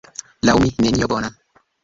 Laŭ mi, nenio bona.